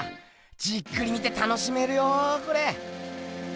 じっくり見て楽しめるよこれ。